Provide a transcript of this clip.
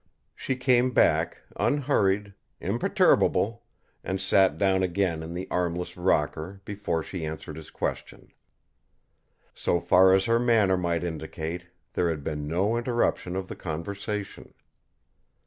She came back, unhurried, imperturbable, and sat down again in the armless rocker before she answered his question. So far as her manner might indicate, there had been no interruption of the conversation.